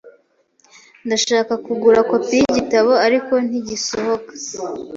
Ndashaka kugura kopi yigitabo, ariko ntigisohoka.